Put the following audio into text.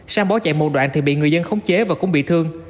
sang bỏ chạy một đoạn thì bị người dân khống chế và cũng bị thương